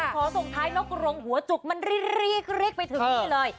ขอส่งท้ายนกรงหัวจุกมันรีกไปถึงนี่เลย